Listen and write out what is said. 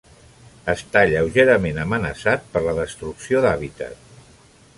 Està lleugerament amenaçat per la destrucció d'hàbitat.